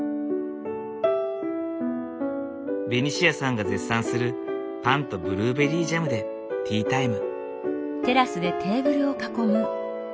ベニシアさんが絶賛するパンとブルーベリージャムでティータイム。